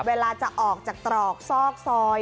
เวลาจะออกจากตรอกซอกซอย